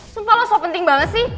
sumpah lo so penting banget sih